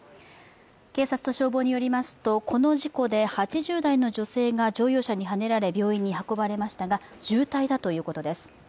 警察と消防によりますとこの事故で８０代の女性が乗用車にはねられ病院に運ばれましたが、重体だということです。